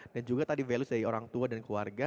dan juga tadi values dari orang tua dan keluarga